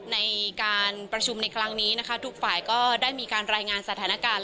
ในการประชุมในครั้งนี้นะคะทุกฝ่ายก็ได้มีการรายงานสถานการณ์